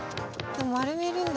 丸めるんだ。